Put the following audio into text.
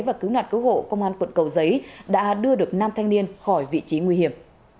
và cứu nạn cứu hộ công an quận cầu giấy đã đưa được nam thanh niên khỏi vị trí nguy hiểm